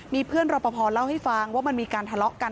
มีเพื่อนรอปภเล่าให้ฟังว่ามันมีการทะเลาะกัน